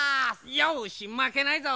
よしまけないぞ。